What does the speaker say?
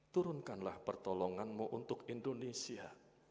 turunkanlah pertolonganmu untuk indonesia